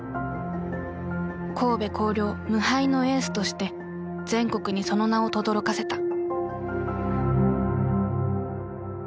「神戸弘陵無敗のエース」として全国にその名をとどろかせた。